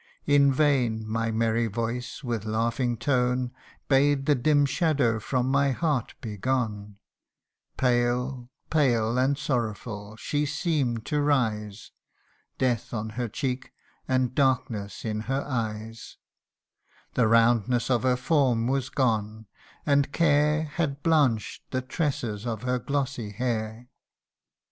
112 THE UNDYING ONE. In vain her merry voice, with laughing tone, Bade the dim shadow from my heart begone : Pale pale and sorrowful she seem'd to rise, Death on her cheek, and darkness in her eyes ; The roundness of her form was gone, and care Had blanch'd the tresses of her glossy hair.